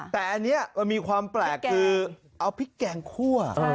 แต่อันนี้มันมีความแปลกคือเอาพริกแกงคั่ว